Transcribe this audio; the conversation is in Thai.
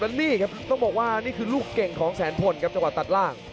และนี่ครับต้องบอกว่านี่คือลูกเก่งของแสนพลครับจังหวะตัดล่าง